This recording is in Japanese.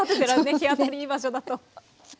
日当たりいい場所だと。